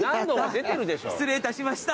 失礼いたしました！